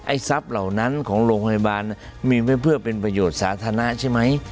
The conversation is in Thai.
ทรัพย์เหล่านั้นของโรงพยาบาลมีไว้เพื่อเป็นประโยชน์สาธารณะใช่ไหม